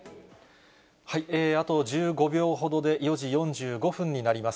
あと１５秒ほどで４時４５分になります。